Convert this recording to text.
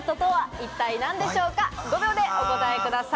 ５秒でお答えください。